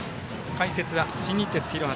解説は新日鉄広畑